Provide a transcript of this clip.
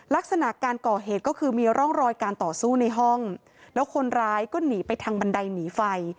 ลักษณะการก่อเหตุก็คือมีร่องรอยการต่อสู้ในห้องแล้วคนร้ายก็หนีไปทางบันไดหนีไฟ